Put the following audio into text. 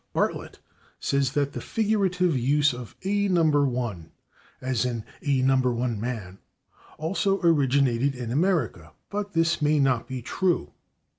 Bartlett says that the figurative use of /A No. 1/, as in /an A No. 1 man/, also originated in America, but this may not be true.